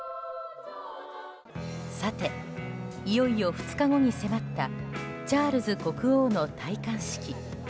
さて、いよいよ２日後に迫ったチャールズ国王の戴冠式。